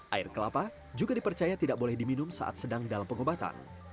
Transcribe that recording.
air kelapa juga dipercaya tidak boleh diminum saat sedang dalam pengobatan